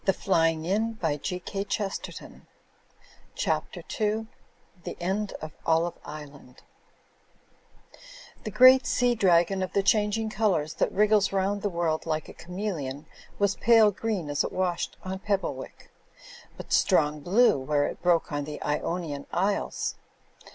Digitized by CjOOQIC CHAPTER II THE END OF OLIVE ISLAND The great sea dragon of the changing colours that wriggles round the world like a chameleon, was pale green as it washed on Pebblewick, but strong blue where it broke on the Ionian Isles.